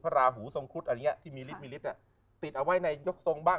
พระราหูทรงคุศที่มีฤทธิ์ติดเอาไว้ในยกทรงบ้าง